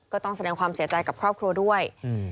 ก็ต้องแสดงความเสียใจกับครอบครัวด้วย